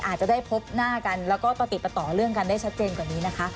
อาจจะได้พบหน้ากันแล้วก็ประติดประต่อเรื่องกันได้ชัดเจนกว่านี้นะคะ